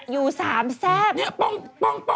อยู่สามแซ่บ